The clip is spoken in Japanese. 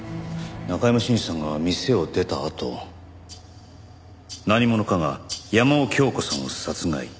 中山信二さんが店を出たあと何者かが山尾京子さんを殺害。